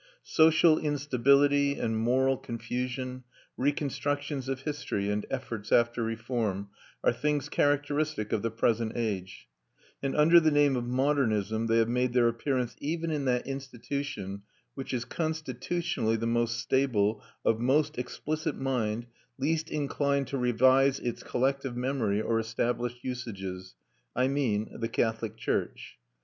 Social instability and moral confusion, reconstructions of history and efforts after reform, are things characteristic of the present age; and under the name of modernism they have made their appearance even in that institution which is constitutionally the most stable, of most explicit mind, least inclined to revise its collective memory or established usages I mean the Catholic church.